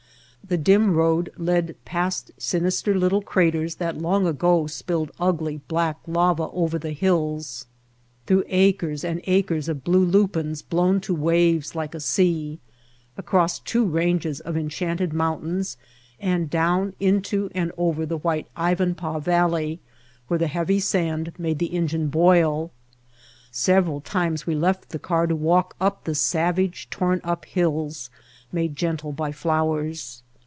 The dim road led past sinister little craters that long ago spilled ugly, black lava over the hills, through acres and acres of blue lupins blown to waves like a sea, across two ranges of enchanted mountains and down into and over the white Ivanpah Valley where the White Heart of Mojave heavy sand made the engine boil. Several times we left the car to walk on the savage, torn up hills made gentle by flow^ers.